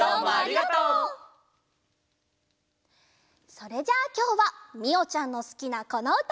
それじゃきょうはみおちゃんのすきなこのうた。